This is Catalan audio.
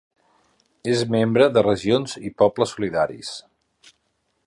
És membre de Regions i Pobles Solidaris.